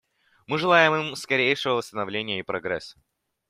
Мы желаем им скорейшего восстановления и прогресса.